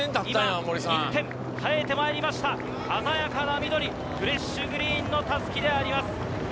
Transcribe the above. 今、映えてまいりました、鮮やかな緑、フレッシュグリーンのたすきであります。